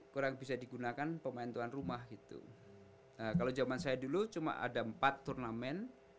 kurang bisa digunakan pemain tuan rumah itu kalau zaman saya dulu cuma ada empat turnamen